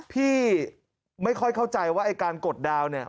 พี่ไม่ค่อยเข้าใจว่าไอ้การกดดาวน์เนี่ย